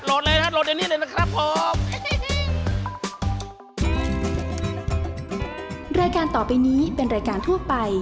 โหลดเลยนะครับโหลดอย่างนี้เลยนะครับผม